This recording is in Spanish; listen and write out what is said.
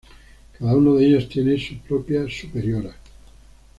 Cada uno de ellos tiene su propia superiora.